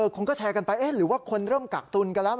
คนก็แชร์กันไปหรือว่าคนเริ่มกักตุนกันแล้ว